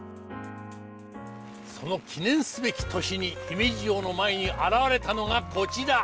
その記念すべき年に姫路城の前に現れたのがこちら！